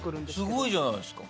すごいじゃないですか。